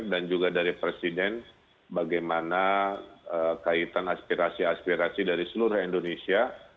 dan juga dari presiden bagaimana kaitan aspirasi aspirasi dari seluruh indonesia